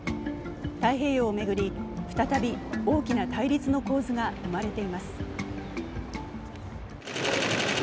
太平洋を巡り、再び大きな対立の構図が生まれています。